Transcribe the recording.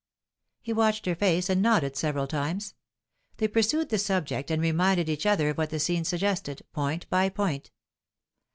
He watched her face, and nodded several times. They pursued the subject, and reminded each other of what the scene suggested, point by point.